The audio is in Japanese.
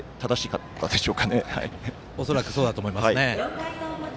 恐らくそうだと思いますね。